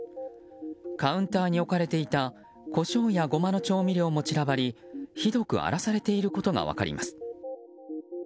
カウンターに置かれていたコショウやゴマの調味料も散らばりひどく荒らされていることが分かります。